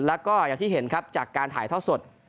แล้วก็อย่างที่เห็นครับจากการถ่ายทอดสด